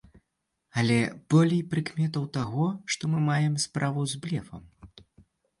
Але болей прыкметаў таго, што мы маем справу з блефам.